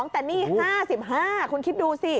แต่นี่๕๕คุณคิดดูสิ